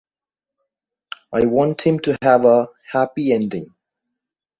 I want him to have a happy ending.